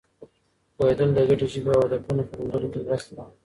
پوهېدل د ګډې ژبې او هدفونو په موندلو کې مرسته کوي.